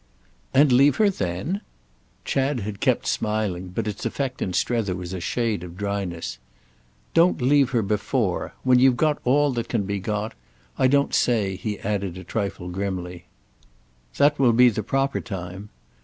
"And leave her then?" Chad had kept smiling, but its effect in Strether was a shade of dryness. "Don't leave her before. When you've got all that can be got—I don't say," he added a trifle grimly. "That will be the proper time.